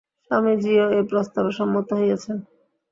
স্বামীজীও এ প্রস্তাবে সম্মত হইয়াছেন।